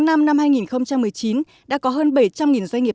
năm năm hai nghìn một mươi chín đã có hơn bảy trăm linh doanh nghiệp